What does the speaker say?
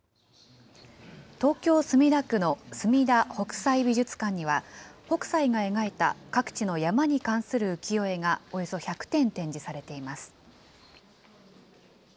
東京・墨田区のすみだ北斎美術館には、北斎が描いた各地の山に関係する浮世絵がおよそ１００点展示されています。